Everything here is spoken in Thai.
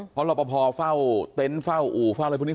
เพราะรอปภเฝ้าเต็นต์เฝ้าอู่เฝ้าอะไรพวกนี้